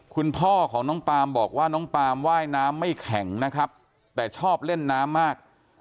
คุณพ่อของน้องปามบอกว่าน้องปามว่ายน้ำไม่แข็งนะครับแต่ชอบเล่นน้ำมาก